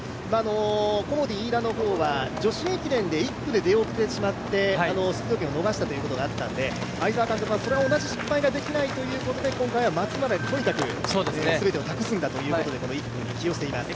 コモディイイダの方は女子駅伝で１区で出遅れてしまって出場権を逃したことがあったので、会沢監督はそれを同じ失敗ができないということで、今回は松村にとにかく全て託すんだということで、１区で起用しています。